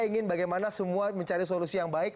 ingin bagaimana semua mencari solusi yang baik